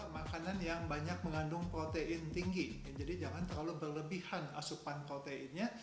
makanan yang banyak mengandung protein tinggi jadi jangan terlalu berlebihan asupan proteinnya